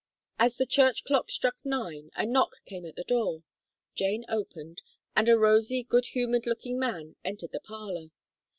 As the church clock struck nine, a knock came at the door. Jane opened, and a rosy, good humoured looking man entered the parlour.